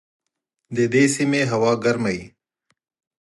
د دې سیمې هوا ګرمه وي.